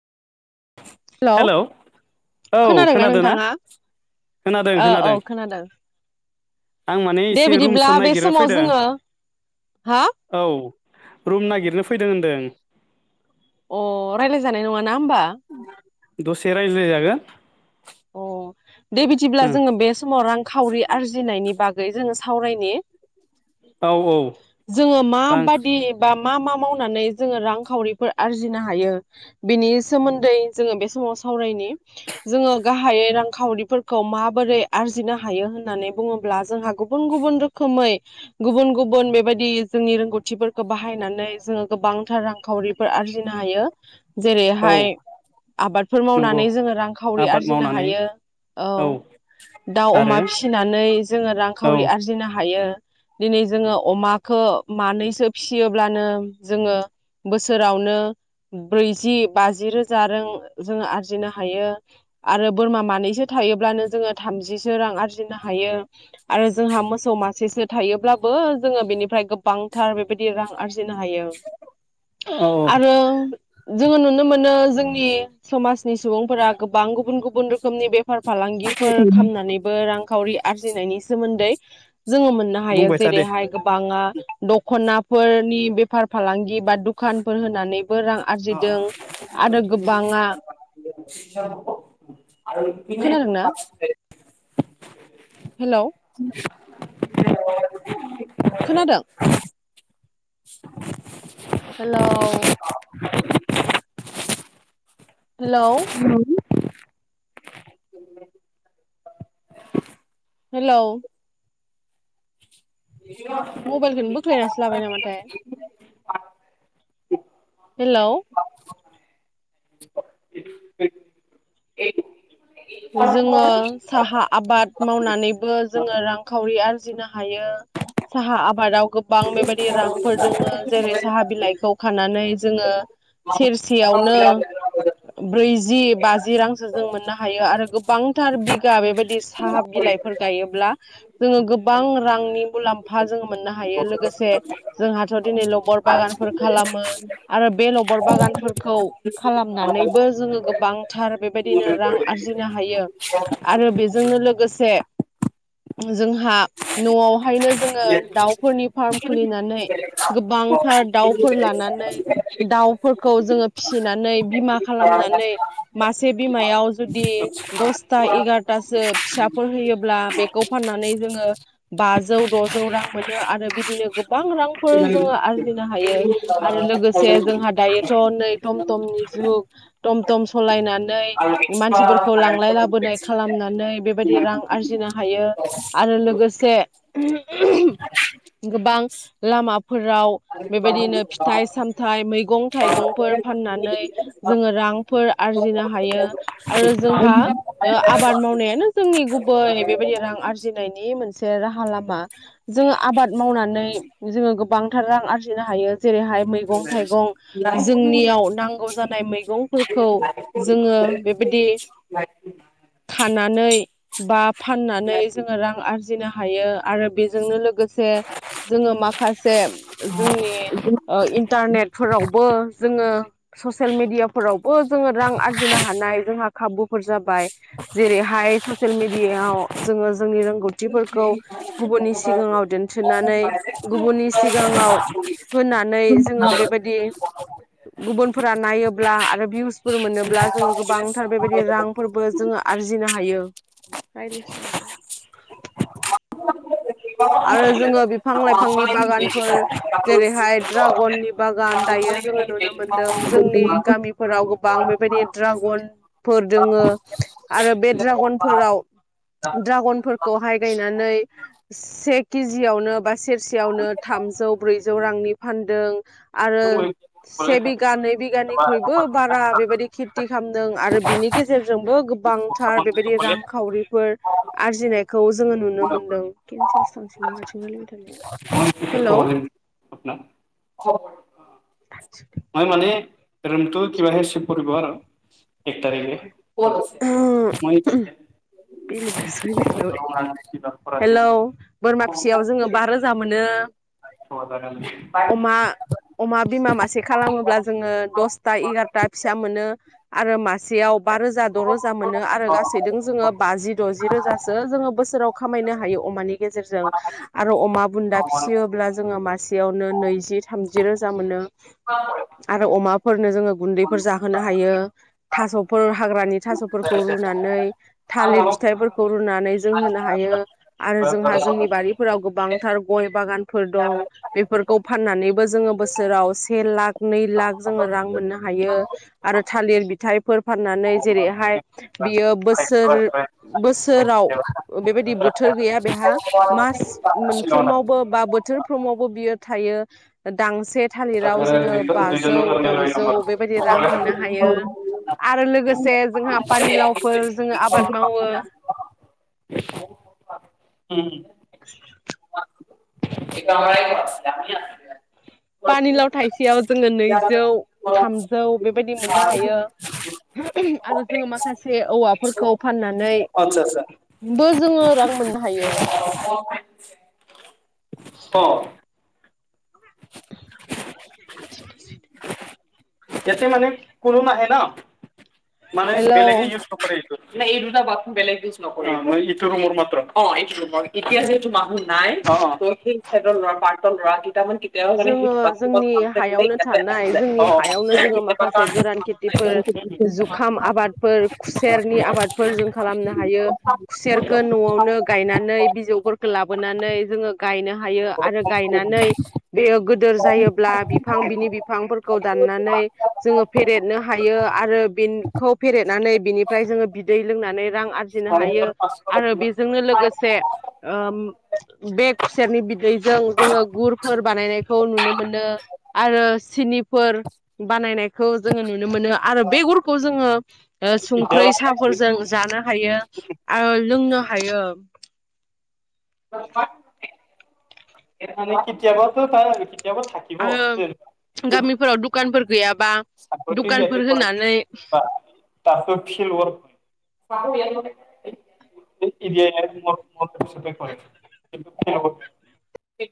Hello औ खोनादोंना खोनादों ना नोंथाङा औ औ खोनादों-खोनादों खोनादों आं माने दे एसे बिदिब्ला रुमसो बे ननायागिरनो समाव फैदों जोङो हा औ रुम नागिरनो फैदों होनदों। अ रायलाय जानाय नङा ना होनबा? दसे रायज्लाय जागोन? [inaudible] दे बिदिब्ला जोङो बे समाव रांखावरि आरजिनायनि बागै गै जोङो सावरायनि औ औ जोङो मा रां बादि बा मा मा मावनानै जोङो रांखावरिफोर आरजिनो हायो बेनि सोमोन्दै जोङो बे समाव सावरायनि । जोङो गाहायै रांखावरिफोरखौ माबोरै आरजिनो हायो होननानै बुङोब्ला जोंहा गुबुन गुबुन रोखोमै गुबुन गुबुन बुन बेबायदि जोंनि रोंगौथिफोर बाहायनानै जोङो गोबांथार रां रांखावरिफोर आरजिनो हायो औ जेरैहाय आबादफोर नंगौ मावनानै जोङो रांखावरि आबाद आरजिनो मावनानै हायो। औ दाउ आरो अमा फिसिनानै जोङो औ रांखावरि आरजिनो हायो। दिनै जोङो अमाखौ मानैसो फियोब्लानो जोङो बोसोरावनो ब्रैजि बाजि रोजा रां जोङो आरजिनो हायो आरो बोरमा मानैसो थायोब्लानो जोङो थामजिसो रां आरजिनो हायो आरो जोंहा मोसौ मासेसो थायोब्लाबो जोङो बेनिफ्राय गोबांथार बे दि रां आरजिनो हायो औ औ आरो जोङो नुनो मोनो। जोंनि समाजनि सुबुंफोरा गोबां गुबुन गुबुन बन्द रोखोमनि बेफार फालांगिफोर खालामनानैबो रांखावरि आरजिनायनि सोमोन्दै जोङो मोननो हायो बुंबाय था दे जेरैहाय आङा दख'नाफोरनि बेफार फालांगि बा दखानफोर होनानैबो रां आरजिदों आरो गोबाङा खोनादोंना? हेलौ [unintelligible] [unintelligible] खोनादों? हेल' हेल' हेल' मबाइलखौनो बोख्लायनासो लाबाय नामाथाय, हेल' जोङो साहा आबाद मावनानैबो जोङो रांखावरि आरजिनो हायो साहा आबादाव गोबां बेबायदि रांफोर दोङो जेरै साहा बिलाइखौ खानानै जोङो सेरसेयावनो ब्रैजि बाजि रांसो जों मोननो हा हायो आरो गोबांथार बिगा बेबायदि साहा बिलाइफोर गायोब्ला जोङो गोबां रांनि मुलाम्फा जों मोननो हायो लोगोसे जोंहाथ' दिनै लबर बागानफोर खालामो आरो बे लबर बागानफोर खौ खालामनानैबो जोङो गोबांथार बेबायदिनो रां आरजिना हायो आरो बे जों लोगोसे जोंहा न'आवहायनो जोङो दाउफोरनि फार्म खुलिनानै गोबांथार दाउ लानानै दाउफोरखौ जोङो फिसिनानै बिमा खालामनानै मासे बिमायाव जुदि दसथा एगारथासो फिसाफोर होयोब्ला बेखौ फाननानै जोङो बौ द'जौ रां मोन आरो बिदिनो गोबां रांफोर जोङो आरजि नो हायो आरो लोगोसे जोंहा दायोथ' [unintelligible] टम टमनि जुग टम टम सालायनानै मानसि मानसिफोरखौ लांलाय लाबोनाय खालामनानै बेबायदि रां आरजिनो हायो आरो लोगोसे गोबां लामाफोराव बेबायदिनो फिथाइ सामथाइ मैगं थाइगंफोर फाननानै जोङो रांफोर आरजिनो हायो आरो जोंहा ओ आबाद मावनायानो जोंनि गुबै बेबायदि रां आरजिनायनि मोनसे मोनसे राहा लामा जोङो आबाद मावनानै जोङो गोबांथार रां आरजिनो हायो। जेरैहाय मैगं थाइगं जोंनियाव नांगौ जानाय मैगंफोरखौ जोङो बे बिदि खानानै बा फाननानै जोङो रां आरजिनो हा हायो आरो बेजोंनो लोग लोगोसे जोङो माखासे जोंनि ओ इन्टारनेटफोरावबो जोङो ससियेल मेडियाफोरावबो जोङो रां आरजिनो हानाय खाबुफोर जा बाय जेरैहाय ससे ससियेल मिडियाआव जोङो जोंनि रोंगौथि [unintelligible] गुबुननि सिगाङाव दोनथिनानै गुबुननि सिगाङाव होनानै जोङो बेबायदि गुबुनफोरा नायोब्ला आरो भिउसफोर मोनोब्ला जोङो गोबां बेबायदि रांफोरबो जोङो आरजिनो हायो। आरो जोङो बिफां लाइफांनि बागानफोर जेरैहाय ड्रागननि बागान दायो जोङो नुनो मोनदों जोंनि गामिफोराव गोबां बेबायदि ड्रागन फोर दोङो आरो बे ड्रागनफोराव ड्रागनफोरखौहाय गायनानै से केजियावनो बा सेरसेयावनो थामजौ ब्रैजौ रांनि फानदों आरो से बिगा नै बिगानिख्रुइबो बारा बेबायदि खेथि खालामदों आरो बिनि गेजेरजोंबो गोबांथार बेबायदि मैं रांखावरिफोर आरजिनायखौ जों नुनो मोनदों केनसेलसो थांसिगोन दां हारसिं लारायबाय थानाया हेलौ माय माने [unintelligible] [unintelligible] बेलेगदोंसो लायरायस्राबाय पर हेलौ बोरमा फिसियाव जोङो बा रोजा मोनो। है अमा अमा बिमा मासे खालामोब्ला जोङो दसथा एगार'था फिसा मोनो आरो मासेयाव बा रोजा द' रोजा मोनो आरो गासैजों जोङो बाजि द'जि रोजासो जोङो बोसोराव खामायनो हायो अमानि गेजेरजों आरो अमा बुन्दा फिसियोब्ला जोङो मासेयावनो नैजि थामजि रोजा मोनो आरो अमा फोरनो जोङो गुन्दैफोर जाहोनो हायो थास'फोर हाग्रानि थास'फोरखौ रुनानै थालिर फिथाइफोरखौ रुनानै जों होनो हायो आरो जोंहा जोंनि बारिफोराव गोबांथार गय बाग फोर दं बेफोरखौ फाननानै बो जोङो बोसोराव से लाख नै लाख जोङो रां मोननो हायो आरो थालिर बिथाइफोर फाननानै जेरैहाय बियो बोस सोर बोसोराव ओ बेबायदि बोथोर गैया बेहा मास मोनफ्रोमावबो बा बोथोरफ्रोमावबो बियो थायो दांस से थालिराव जोङो बाजौ द'जौ बेबायदि रां मोननो हायो आरो लोगोसे जोंहा पानिलावफोर ओं आबाद मावो ओम [inaudible] [unintelligible] पानिलाव थाइसेयाव जोङो नैजौ थामजौ बेबायदि मोननो हायो आरो जोङो माखासे औवाफोरखौ फाननानैबो जोङो रां मोननो हायो अ [unintelligible] [unintelligible] माने हेलौ बेलेगै [unintelligible] [unintelligible] [unintelligible] [unintelligible] जोङो जोंनि हायावनो थानाय जोंनि हायावनो जोङो माखासे गोरान खेथिफोर जुखाम आबादफोर खुसेरनि आबादफोर जों खालामनो हायो खुसेरखो न'आवनो गायनानै बिजौफोरखौ लाबोनानै जोङो गायनो हायो आरो गायनानै गोदोर जायोब्ला बिफां बिनि बिफांफोरखौ दाननानै जोङो फेरेदनो हायो आरो बिनखौ फेरेदनानै बिनिफ्राय जोङो बिदै लोंना ने रां आरजिनो हायो आरो बेजोंनो लोगोसे ओम बे खुसेरनि बिदैजों जोङो गुरफोर नायखौ नुनो मोनो आरो सिनि फोर बानायनाय। खौ जोङो नुनो मोनो आरो बे गुरखौ जोङो ओ संख्रै साहाफोरजों जानो हायो [unintelligible] लोंनो हायो। [unintelligible] [unintelligible] आङो गामिफोराव दुकानफोर [unintelligible] [unintelligible]